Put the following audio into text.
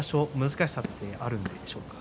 難しさはあるんでしょうか？